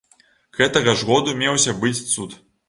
Гэтага ж году меўся быць цуд.